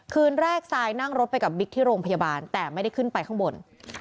คืนแรกซายนั่งรถไปกับบิ๊กที่โรงพยาบาลแต่ไม่ได้ขึ้นไปข้างบน